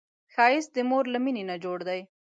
ښایست د مور له مینې نه جوړ دی